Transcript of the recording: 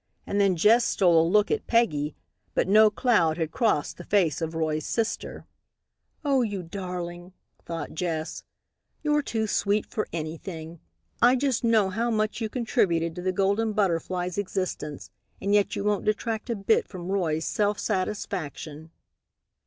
And then Jess stole a look at Peggy, but no cloud had crossed the face of Roy's sister. "Oh, you darling," thought Jess, "you're too sweet for anything. I just know how much you contributed to the Golden Butterfly's existence, and yet you won't detract a bit from Roy's self satisfaction."